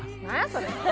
それ。